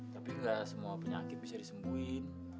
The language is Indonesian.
tapi nggak semua penyakit bisa disembuhin